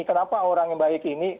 kenapa orang yang baik ini